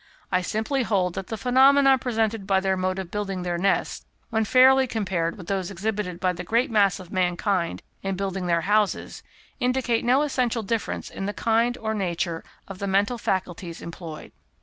I simply hold that the phenomena presented by their mode of building their nests, when fairly compared with those exhibited by the great mass of mankind in building their houses, indicate no essential difference in the kind or nature of the mental faculties employed.